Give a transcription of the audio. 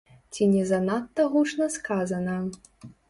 Ці не занадта гучна сказана?